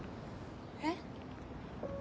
えっ？